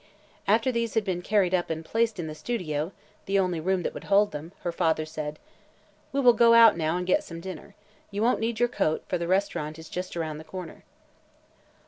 After these had been carried up and placed in the studio the only room that would hold them her father said: "We will go out now and get some dinner. You won't need your coat, for the restaurant is just around the corner."